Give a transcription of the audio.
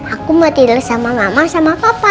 aku gak tidur sama mama sama papa